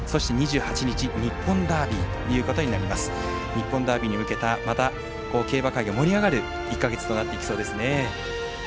日本ダービーに向けたまた競馬界を盛り上げる１か月となっていきそうですね。